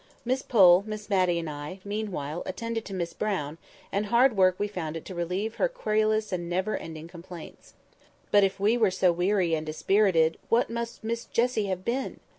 Miss Pole, Miss Matty, and I, meanwhile attended to Miss Brown: and hard work we found it to relieve her querulous and never ending complaints. But if we were so weary and dispirited, what must Miss Jessie have been!